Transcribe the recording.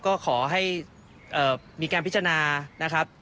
ก็ขอให้มีการพิจารณานะครับ